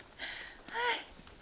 はい。